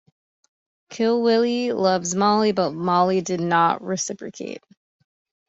Kilwillie loves Molly, but Molly did not reciprocate.